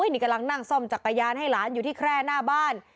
นี่กำลังนั่งซ่อมจักรยานให้หลานอยู่ที่แคร่หน้าบ้าน